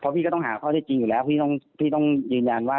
เพราะพี่ก็ต้องหาข้อได้จริงอยู่แล้วพี่ต้องพี่ต้องยืนยันว่า